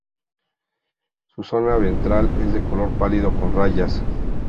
Su zona ventral es de color pálido con rayas.